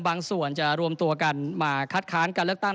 ส่วนจะรวมตัวกันมาคัดค้านการเลือกตั้ง